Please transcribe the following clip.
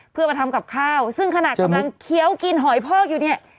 เพื่อมาทำกับข้าวซึ่งขณะกำลังเคี้ยวกินหอยพอกอยู่เนี่ย